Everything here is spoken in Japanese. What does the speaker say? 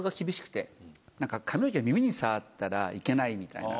髪の毛が耳に触ったらいけないみたいな。